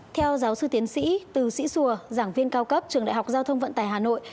theo giáo sư tiến sĩ từ sĩ xùa giảng viên cao cấp trường đại học giao thông vận tải hà nội